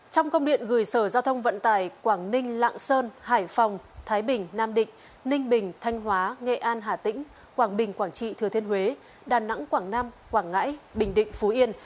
trong công điện gửi sở giao thông vận tải quảng ninh lạng sơn hải phòng thái bình nam định ninh bình thanh hóa nghệ an hà tĩnh quảng bình quảng trị thừa thiên huế đà nẵng quảng nam quảng ngãi bình định phú yên